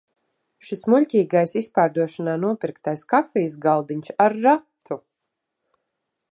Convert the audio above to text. Šis muļķīgais izpārdošanā nopirktais kafijas galdiņš ar ratu!